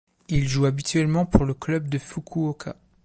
Il joue habituellement pour le club de Fukuoka.